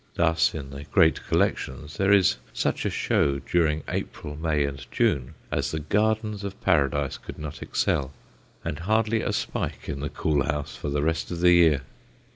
Thus in the great collections there is such a show during April, May, and June as the Gardens of Paradise could not excel, and hardly a spike in the cool houses for the rest of the year.